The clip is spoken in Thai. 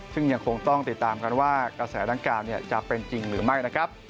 ซึ่งยังคงต้องติดตามกันว่ากระแสดังกล่าวจะเป็นจริงหรือไม่นะครับ